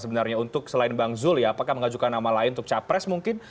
sebenarnya untuk selain bang zul ya apakah mengajukan nama lain untuk capres mungkin